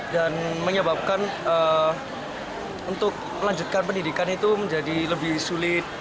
dan menyebabkan untuk melanjutkan pendidikan itu menjadi lebih sulit